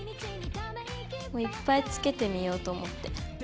もういっぱいつけてみようと思って。